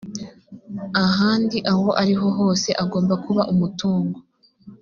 ahandi aho ariho hose agomba kuba umutungo